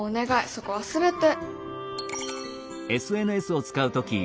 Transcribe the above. そこ忘れて。